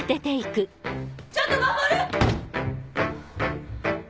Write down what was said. ちょっと守！